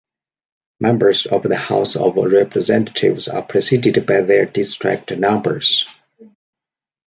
Members of the House of Representatives are preceded by their district numbers.